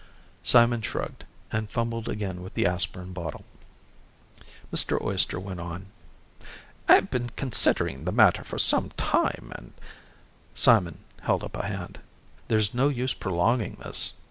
Simon shrugged and fumbled again with the aspirin bottle. Mr. Oyster went on. "I've been considering the matter for some time and " Simon held up a hand. "There's no use prolonging this.